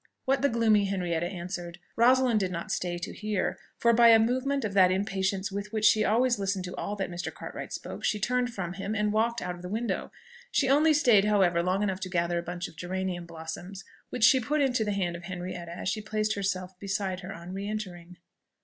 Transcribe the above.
What the gloomy Henrietta answered, Rosalind did not stay to hear; for by a movement of that impatience with which she always listened to all that Mr. Cartwright spoke, she turned from him and walked out of the window. She only stayed, however, long enough to gather a bunch of geranium blossoms, which she put into the hand of Henrietta as she placed herself beside her on re entering.